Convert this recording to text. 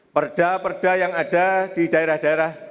perda perda yang ada di daerah daerah